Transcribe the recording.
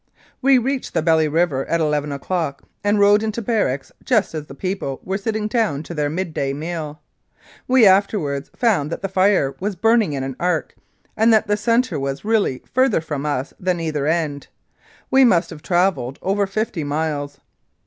We reached the Belly River at eleven o'clock, and rode into barracks just as the people were sitting down to their midday meal. We afterwards found that the fire was burning in an arc, and that the centre was really farther from us than either end. We must have travelled over fifty miles.